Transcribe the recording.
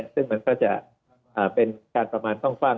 ซึ่งมันก็จะเป็นการประมาณกว้าง